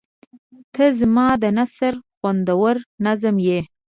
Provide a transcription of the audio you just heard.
• ته زما د نثر خوندور نظم یې.